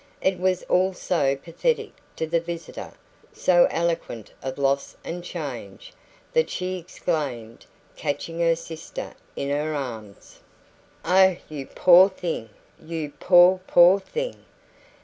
It was all so pathetic to the visitor, so eloquent of loss and change, that she exclaimed, catching her sister in her arms: "Oh, you poor thing! You poor, poor thing!"